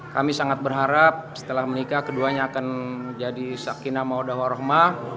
kami sangat berharap setelah menikah keduanya akan jadi sakina maudah warohmah